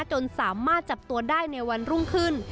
จนสามารถจับตัวได้ในวันรุ่งขึ้น